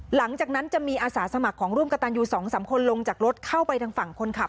หลังจากนั้นจะมีอาสาสมัครของร่วมกระตันยู๒๓คนลงจากรถเข้าไปทางฝั่งคนขับ